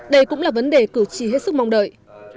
đây cũng là vấn đề cử tri hết sức mong đợi